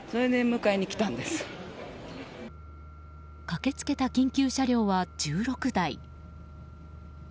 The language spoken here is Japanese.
駆けつけた緊急車両は１６台。